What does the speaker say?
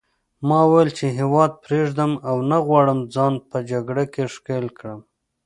ما وویل چې هیواد پرېږدم او نه غواړم ځان په جګړه کې ښکېل کړم.